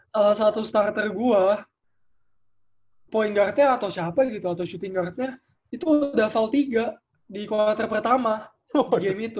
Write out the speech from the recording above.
salah satu starter gue point guard nya atau siapa gitu atau shooting guard nya itu udah foul tiga di quarter pertama game itu